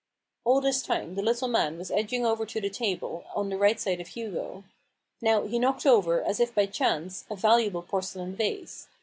All this time the little man was edging over to the table, on the right side of Hugo. Now he knocked over, as if by chance, a valuable porcelain vase.